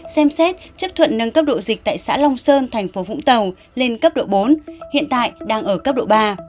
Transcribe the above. xem xét chấp thuận nâng cấp độ dịch tại xã long sơn thành phố vũng tàu lên cấp độ bốn hiện tại đang ở cấp độ ba